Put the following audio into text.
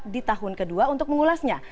di tahun kedua untuk mengulasnya